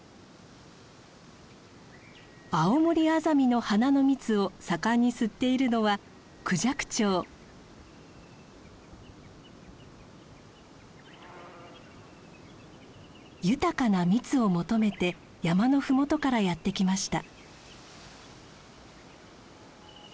アオモリアザミの花の蜜を盛んに吸っているのは豊かな蜜を求めて山の麓からやって来ました。